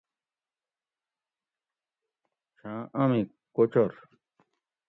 چھاں امی کوچور